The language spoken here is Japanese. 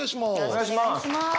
お願いします。